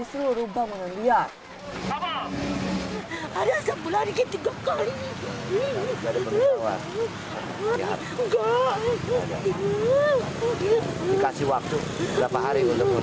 seluruh bangunan liar